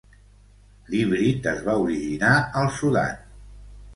L'híbrid es va originar al Sudan.